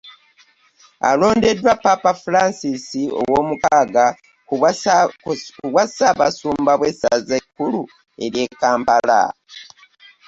Alondeddwa Ppaapa Francis owoomukaaga ku bwa Ssaabasumba bw'essaza ekkulu ery'e Kampala.